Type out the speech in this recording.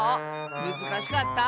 むずかしかった？